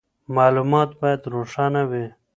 معلومات باید روښانه وي.